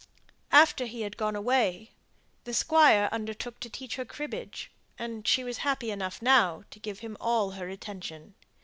After he had gone away, the Squire undertook to teach her cribbage, and she was happy enough now to give him all her attention.